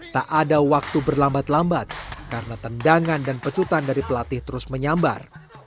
tak ada waktu berlambat lambat karena tendangan dan pecutan dari pelatih terus menyambar